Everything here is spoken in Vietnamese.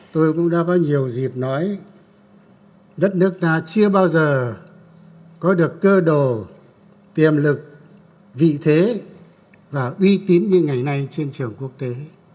tôi cũng đã có nhiều dịp nói đất nước ta chưa bao giờ có được cơ đồ tiềm lực vị thế và uy tín như ngày nay trên trường quốc tế